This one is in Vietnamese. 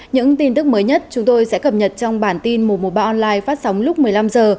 những tin tức mới nhất chúng tôi sẽ cập nhật trong bản tin mùa mùa ba online phát sóng lúc một mươi năm h